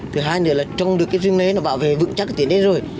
thứ hai nữa là trồng được cái rừng này nó bảo vệ vững chắc đến đây rồi